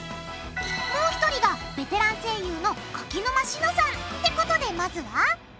もう一人がベテラン声優の柿沼紫乃さん。ってことでまずは？